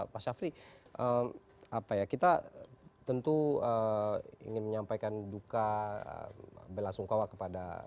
pak syafri apa ya kita tentu ingin menyampaikan duka bella sungkawa kepada